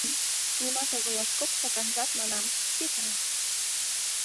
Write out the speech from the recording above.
— Нимат огыл, латкок стаканжат, манам, сита...